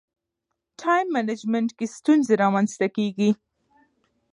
ټایم منجمنټ کې ستونزې رامنځته کېږي.